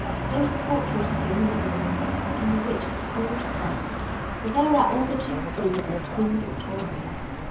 There is a portrait of him, in oils, in a rich gold frame; but there are also two prints of Queen Victoria.